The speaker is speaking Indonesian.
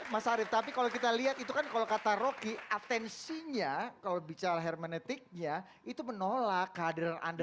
mas arief tapi kalau kita lihat itu kan kalau kata rocky atensinya kalau bicara hermenetiknya itu menolak kehadiran anda